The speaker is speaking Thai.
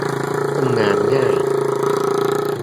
ทำงานง่าย